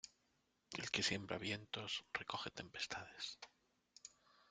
El que siembra vientos recoge tempestades.